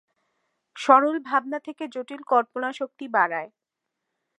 সরল ভাবনা থেকে জটিল কল্পনাশক্তি বাড়ায়।